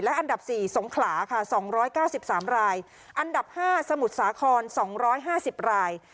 อันดับ๔สงขลาค่ะ๒๙๓รายอันดับ๕สมุทรสาคร๒๕๐ราย